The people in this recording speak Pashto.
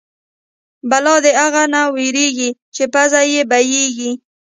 بلا د اغه نه وېرېږي چې پزه يې بيېږي.